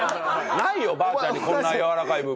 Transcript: ないよおばあちゃんにこんなやわらかい部分。